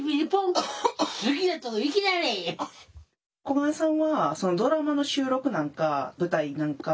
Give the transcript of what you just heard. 小雁さんはドラマの収録なんか舞台なんか。